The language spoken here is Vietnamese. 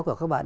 của các bạn